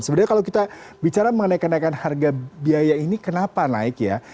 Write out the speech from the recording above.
sebenarnya kalau kita bicara mengenai kenaikan harga biaya ini kenapa naik ya